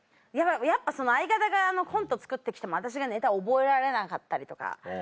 やっぱ相方がコント作って来ても私がネタ覚えられなかったりとか。